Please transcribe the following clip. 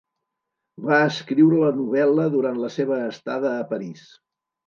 Va escriure la novel·la durant la seva estada a París.